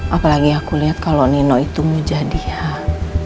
apalagi aku lihat kalau nino itu mujadihah